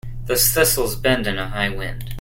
Those thistles bend in a high wind.